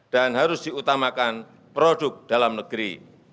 harus diutamakan produk dalam negeri